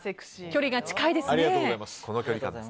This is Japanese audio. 距離が近いですね。